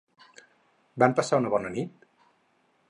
Van passar una bona nit?